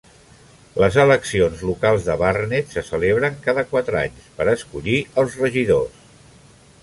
Les eleccions locals de Barnet se celebren cada quatre anys per escollir els regidors.